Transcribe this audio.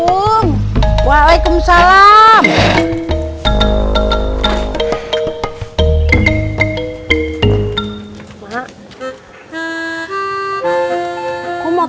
yang boleh invitasi pake dank connect